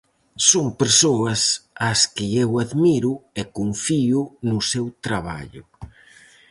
Son persoas ás que eu admiro e confío no seu traballo.